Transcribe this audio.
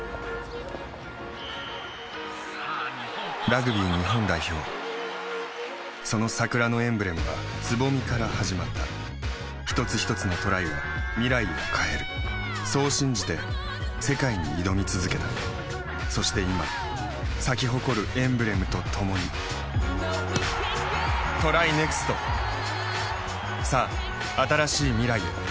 ・ラグビー日本代表その桜のエンブレムは蕾から始まった一つひとつのトライが未来を変えるそう信じて世界に挑み続けたそして今咲き誇るエンブレムとともにＴＲＹＮＥＸＴさあ、新しい未来へ。